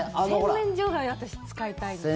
洗面所が私使いたいです。